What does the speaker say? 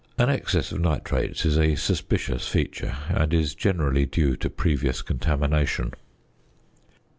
An excess of nitrates is a suspicious feature, and is generally due to previous contamination.